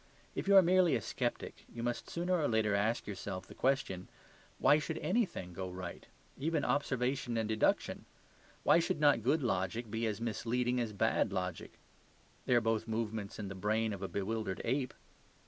If you are merely a sceptic, you must sooner or later ask yourself the question, "Why should ANYTHING go right; even observation and deduction? Why should not good logic be as misleading as bad logic? They are both movements in the brain of a bewildered ape?"